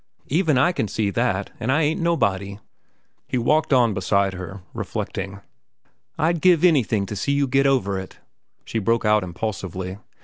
Even I can see that, an' I ain't nobody." He walked on beside her, reflecting. "I'd give anything to see you get over it," she broke out impulsively.